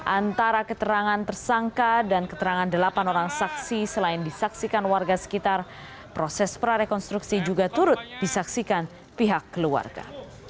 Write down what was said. antara keterangan tersangka dan keterangan delapan orang saksi selain disaksikan warga sekitar proses prarekonstruksi juga turut disaksikan pihak keluarga